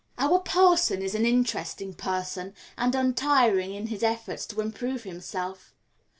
Our parson is an interesting person, and untiring in his efforts to improve himself.